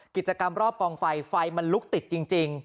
กิจกรรมรอบกองไฟไฟมันลุกติดจริง